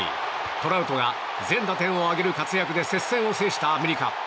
トラウトが全打点を挙げる活躍で接戦を制したアメリカ。